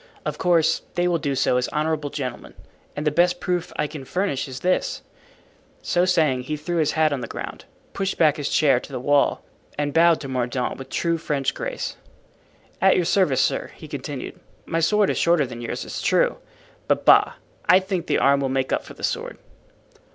Of course they will do so as honorable gentlemen, and the best proof I can furnish is this——" So saying, he threw his hat on the ground, pushed back his chair to the wall and bowed to Mordaunt with true French grace. "At your service, sir," he continued. "My sword is shorter than yours, it's true, but, bah! I think the arm will make up for the sword."